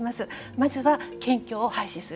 まずは検挙を廃止する。